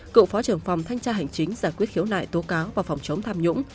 cựu phó trưởng phòng thanh tra hành chính giải quyết khiếu nại tố cáo và phòng chống tham nhũng